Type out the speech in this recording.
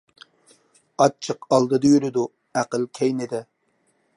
ئاچچىق ئالدىدا يۈرىدۇ، ئەقىل كەينىدە.